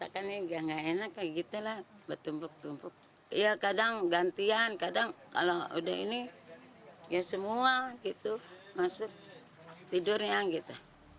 kadang gantian kadang kalau udah ini ya semua gitu masuk tidurnya gitu